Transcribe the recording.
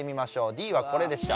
Ｄはこれでした。